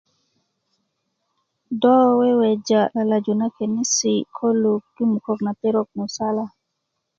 do weweja lalaju na kenisi koluk i mukök na perok musala